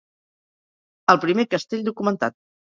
el primer castell documentat